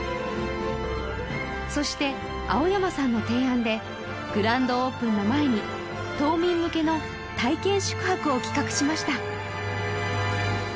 そして青山さんの提案でグランドオープンの前に島民向けの体験宿泊を企画しました